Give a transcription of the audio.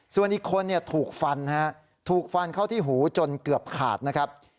ส่วนอีกคนถูกฟันถูกฟันเข้าที่หูจนเกือบขาดนะครับ